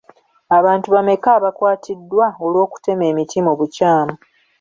Abantu bameka abakwatiddwa olw'okutema emiti mu bukyamu?